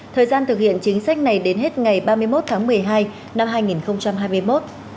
thời gian thực hiện chính sách này đến hết ngày ba mươi một tháng một mươi hai năm hai nghìn hai mươi một